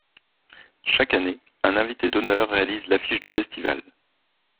Chaque année, un invité d'honneur réalise l'affiche du festival.